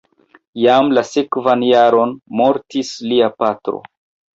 Jam la sekvan jaron mortis lia patro.